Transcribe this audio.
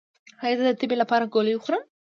ایا زه د تبې لپاره ګولۍ وخورم؟